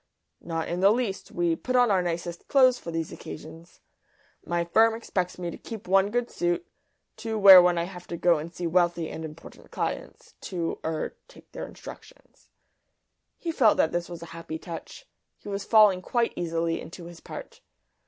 "Not in the least. We put on our nicest clothes for these occasions. My firm expects me to keep one good suit to wear when I have to go and see wealthy and important clients to er take their instructions." (He felt that this was a happy touch; he was falling quite easily into his part).